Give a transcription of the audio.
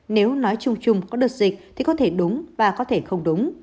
nếu nói chung chung có đợt dịch thì có thể đúng và có thể không đúng